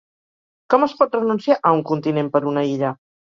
Com es pot renunciar a un continent per una illa?